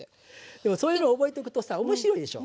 でもそういうの覚えとくとさ面白いでしょ。